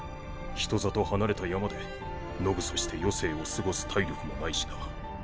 人里離れた山で野グソして余生を過ごす体力もないしな。